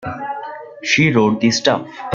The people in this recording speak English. She wrote the stuff.